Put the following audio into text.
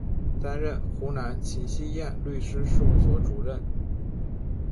担任湖南秦希燕律师事务所主任。